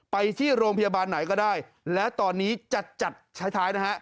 ไปที่โรงพยาบาลไหนก็ได้และตอนนี้จะจัดท้ายนะฮะ